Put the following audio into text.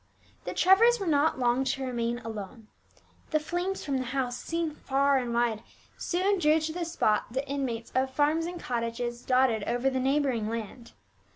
The Trevors were not long to remain alone. The flames from the house, seen far and wide, soon drew to the spot the inmates of farms and cottages dotted over the neighbouring land.